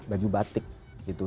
baju batik gitu